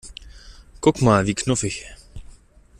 Guck mal, wie knuffig!